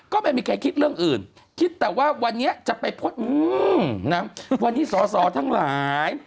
ก็ไม่มีใครคิดเรื่องอื่นคิดแต่ว่าวันนี้จะไปพ่นนะวันนี้สอสอทั้งหลาย